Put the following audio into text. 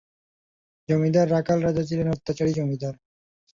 জমিদার রাখাল রাজা ছিলেন অত্যাচারী জমিদার।